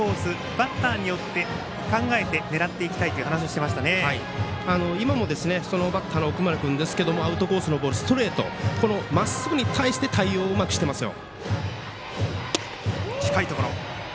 バッターによって考えて狙っていきたいと今もそのバッターの奥村君ですけれどもアウトコースのボールストレート、まっすぐに対して対応をうまくしていますよ。